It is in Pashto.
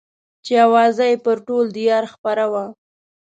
چې اوازه يې پر ټول ديار خپره وه.